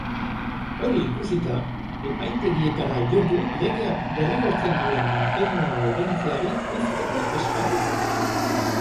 Hori ikusita, epaitegietara jo du legeak derrigortzen duen mantenua ordaintzeari uzteko eskatuta.